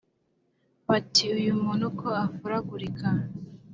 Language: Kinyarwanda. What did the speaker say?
Bati : Uyu muntu ko afuragurika